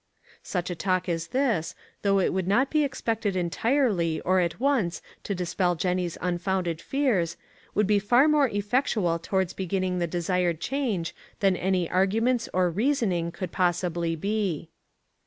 Such a talk as this, though it could not be expected entirely and at once to dispel Jennie's unfounded fears, would be far more effectual towards beginning the desired change than any arguments or reasoning could possibly be.